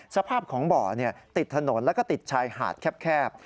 สภาพของบ่อติดถนนแล้วก็ติดชายหาดแคบ